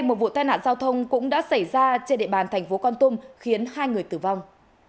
một vụ tai nạn giao thông cũng đã xảy ra trên địa bàn tp con tung khiến hai người tử vong